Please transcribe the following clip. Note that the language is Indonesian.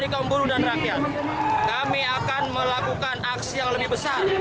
kami akan melakukan aksi yang lebih besar